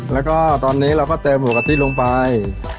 แล้วก็ตอนนี้เราก็เติมหัวกะทิลงไป